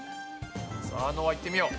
さあのあいってみよう。